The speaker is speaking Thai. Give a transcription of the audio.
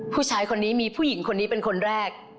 ผู้ชายคนนี้มีผู้หญิงคนนี้เป็นคนแรก